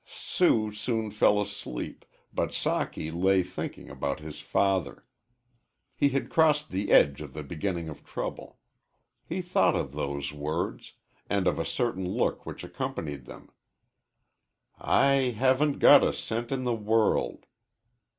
Sue soon fell asleep, but Socky lay thinking about his father. He had crossed the edge of the beginning of trouble. He thought of those words and of a certain look which accompanied them "I haven't got a cent in the world."